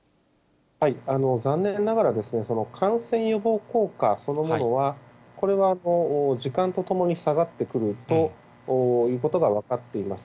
残念ながら、感染予防効果そのものは、これは時間とともに下がってくるということが分かっています。